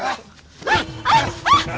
hah hah hah hah